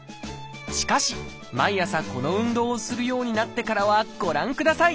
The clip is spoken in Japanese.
しかし毎朝この運動をするようになってからはご覧ください！